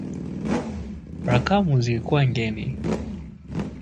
Rakamu zilikuwa ngeni